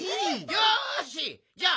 よしじゃあ